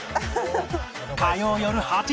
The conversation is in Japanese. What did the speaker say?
火曜よる８時